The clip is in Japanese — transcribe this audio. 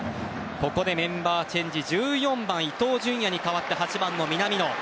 ここでメンバーチェンジ１４番、伊東純也に代わって８番、南野。